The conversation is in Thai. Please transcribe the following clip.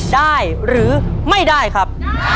ได้หรือไม่ได้ครับ